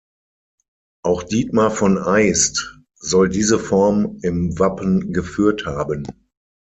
Auch Dietmar von Aist soll diese Form im Wappen geführt haben.